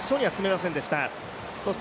決勝には進めませんでした。